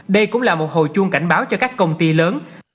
đây cũng là một hồi chuông cảnh báo cho các công ty lớn